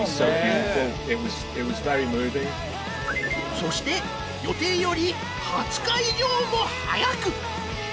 そして予定より２０日以上も早く。